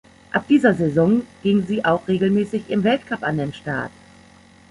Ab dieser Saison ging sie auch regelmäßig im Weltcup an den Start.